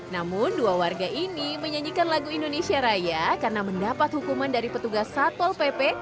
namun dua warga ini menyanyikan lagu indonesia raya karena mendapat hukuman dari petugas satpol pp